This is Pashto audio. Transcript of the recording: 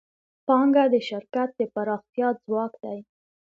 پانګه د شرکت د پراختیا ځواک دی.